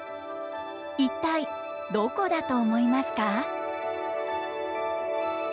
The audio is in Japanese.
一体どこだと思いますか？